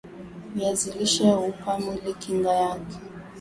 viazi lishe huupa mwili kinga yake